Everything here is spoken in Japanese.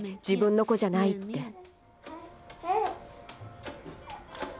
自分の子じゃない」って。